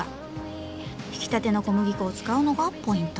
ひきたての小麦粉を使うのがポイント。